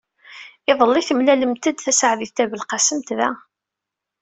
Iḍelli, temlalemt-d Taseɛdit Tabelqasemt da.